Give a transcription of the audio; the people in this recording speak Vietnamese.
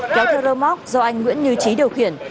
kéo theo rơ móc do anh nguyễn như trí điều khiển